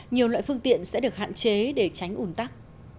nhiều loại phương tiện sẽ được hạn chế để tránh ủn tắc